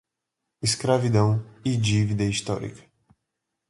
Escravidão e dívida histórica